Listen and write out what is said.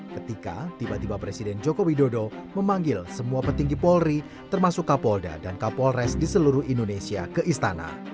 ketika tiba tiba presiden joko widodo memanggil semua petinggi polri termasuk kapolda dan kapolres di seluruh indonesia ke istana